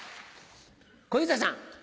小遊三さん。